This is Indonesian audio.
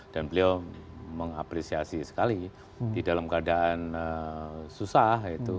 dan beliau mengapresiasi sekali di dalam keadaan susah